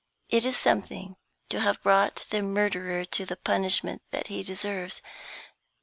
It is something to have brought the murderer to the punishment that he deserves.